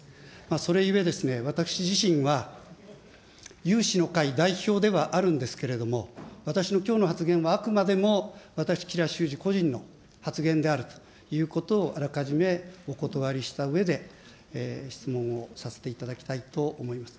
それゆえ、私自身は有志の会代表ではあるんですけれども、私のきょうの発言はあくまでも私、吉良州司個人の発言であるということを、あらかじめおことわりしたうえで、質問をさせていただきたいと思います。